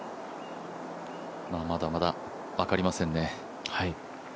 まだまだ分かりませんね。